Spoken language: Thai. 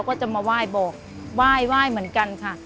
ก็จะมาไหว้บอกไหว้เหมือนกันค่ะ